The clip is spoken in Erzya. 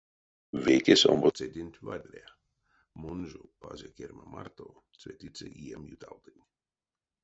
Вейкесь омбоцеденть вадря, мон жо пазе керьме марто цветиця ием ютавтынь.